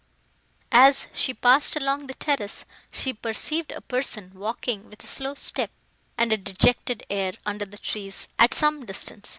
As she passed along the terrace, she perceived a person, walking, with a slow step, and a dejected air, under the trees, at some distance.